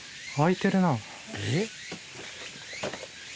えっ？